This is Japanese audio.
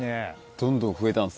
どんどん増えたんすね。